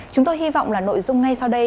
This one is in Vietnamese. chúng tôi hy vọng là nội dung ngay sau đây